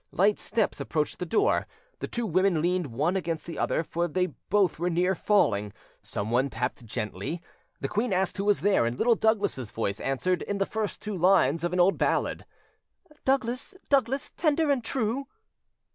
Light steps approached the door. The two women leaned one against the other; for they both were near falling. Someone tapped gently. The queen asked who was there, and Little Douglas's voice answered in the two first lines of an old ballad— "Douglas, Douglas, Tender and true."